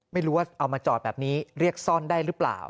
ไม่รู้ว่าเอามาจอดแบบนี้เรียกซ่อนได้หรือเปล่า